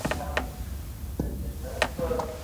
د ټولنپوهنې په وده کي ډېر عوامل سته.